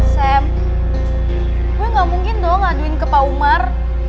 sam gue gak mungkin dong aduin ke pak umar